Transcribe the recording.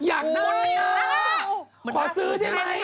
คอยซื้อด้วยไหม